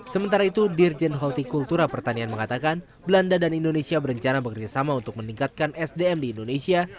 sementara itu dirjen holti kultura pertanian mengatakan belanda dan indonesia berencana bekerjasama untuk meningkatkan sdm di indonesia